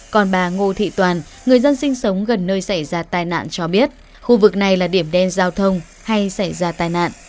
còn bà ngô thị toàn người dân sinh sống gần nơi xảy ra tai nạn cho biết khu vực này là điểm đen giao thông hay xảy ra tai nạn